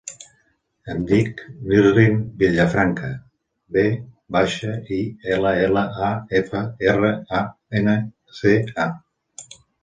Em dic Nisrin Villafranca: ve baixa, i, ela, ela, a, efa, erra, a, ena, ce, a.